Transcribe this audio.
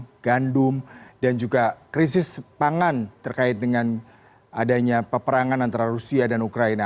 perang gandum dan juga krisis pangan terkait dengan adanya peperangan antara rusia dan ukraina